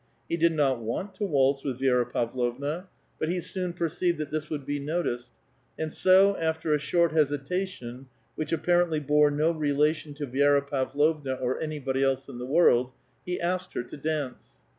He did not want to waltz ^ith Vi^ra Pavlovna, but he soon perceived that this would be noticed, and so, after a short hesitation, which apparently boi'e no re lation to Vi6ra Pavlovna or anybody else in the wovld, he asked her to dance.